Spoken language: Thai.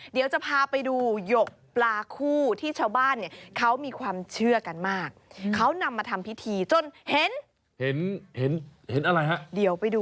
เดี๋ยวจะพาไปดูหยกปลาคู่ที่ชาวบ้านเนี่ย